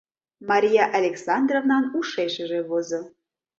Мария Александровнан ушешыже возо.